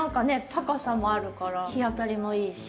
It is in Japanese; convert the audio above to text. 高さもあるから日当たりもいいし。